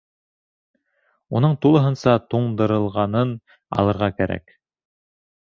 Уның тулыһынса туңдырылғанын алырға кәрәк.